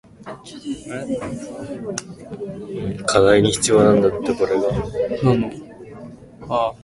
僕は君を愛してしまった